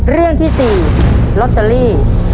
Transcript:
เรื่องที่๔ลอตเตอรี่